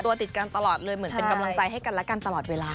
ติดกันตลอดเลยเหมือนเป็นกำลังใจให้กันและกันตลอดเวลา